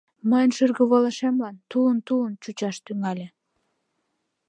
Мыйын шӱргывылышемлан тулын-тулын чучаш тӱҥале.